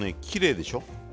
きれいでしょう？